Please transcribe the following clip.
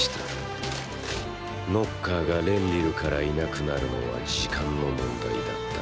ノッカーがレンリルからいなくなるのは時間の問題だった。